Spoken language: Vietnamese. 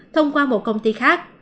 thông qua một công ty khác